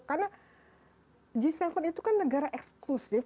karena g tujuh itu kan negara eksklusif